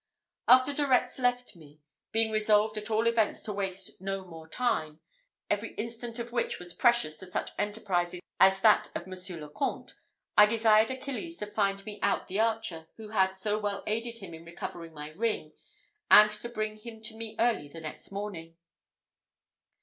After De Retz had left me, being resolved at all events to waste no more time, every instant of which was precious in such enterprises as that of Monsieur le Comte, I desired Achilles to find me out the archer who had so well aided him in recovering my ring, and to bring him to me early the next morning.